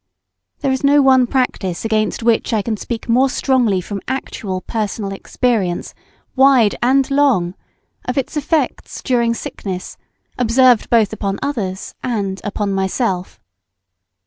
There is no one practice against which I can speak more strongly from actual personal experience, wide and long, of its effects during sickness observed both upon others and upon myself.